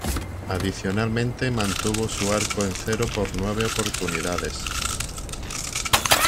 Adicionalmente, mantuvo su arco en cero por nueve oportunidades.